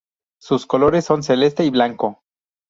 Sus colores son celeste y blanco.